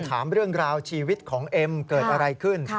ถามเรื่องราวชีวิตของเอ็มเกิดอะไรขึ้น